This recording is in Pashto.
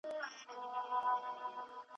بانکداري پرمختګ کوي.